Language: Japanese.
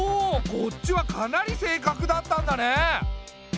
こっちはかなり正確だったんだね。